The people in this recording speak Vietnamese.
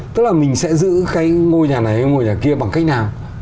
tức là mình sẽ giữ cái ngôi nhà này hay ngôi nhà kia bằng cách nào